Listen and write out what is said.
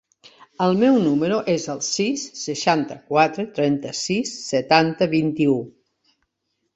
El meu número es el sis, seixanta-quatre, trenta-sis, setanta, vint-i-u.